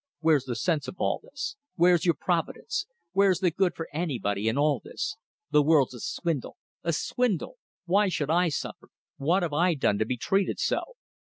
Where's the sense of all this? Where's your Providence? Where's the good for anybody in all this? The world's a swindle! A swindle! Why should I suffer? What have I done to be treated so?"